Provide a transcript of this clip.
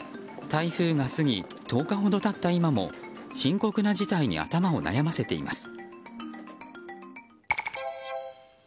台風が過ぎ１０日ほど経った今も深刻な事態に頭を悩ませています。